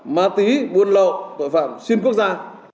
ma tí buôn lộ tội phạm xin quốc gia